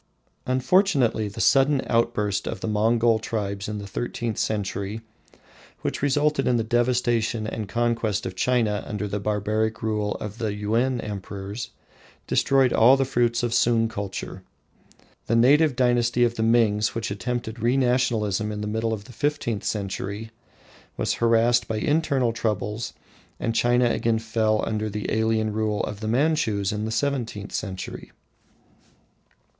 Unfortunately the sudden outburst of the Mongol tribes in the thirteenth century which resulted in the devastation and conquest of China under the barbaric rule of the Yuen Emperors, destroyed all the fruits of Sung culture. The native dynasty of the Mings which attempted re nationalisation in the middle of the fifteenth century was harassed by internal troubles, and China again fell under the alien rule of the Manchus in the seventeenth century.